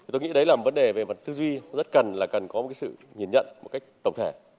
tôi nghĩ đấy là một vấn đề về mặt tư duy rất cần là cần có một sự nhìn nhận một cách tổng thể